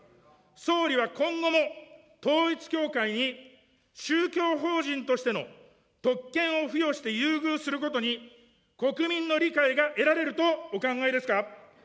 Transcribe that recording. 総理は今後も、統一教会に宗教法人としての特権を付与して優遇することに、国民の理解が得られるとお考えですか。